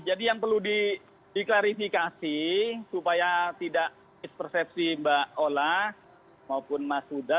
jadi yang perlu diklarifikasi supaya tidak ekspersepsi mbak ola maupun mas huda